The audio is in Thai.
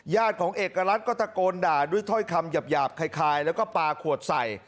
ของเอกรัฐก็ตะโกนด่าด้วยถ้อยคำหยาบคล้ายแล้วก็ปลาขวดใส่